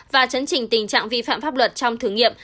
và chấn trình tình trạng vi phạm pháp luật trong thử nghiệm